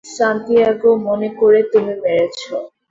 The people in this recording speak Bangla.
সান্তিয়াগো মনে করে তুমি মেরেছ।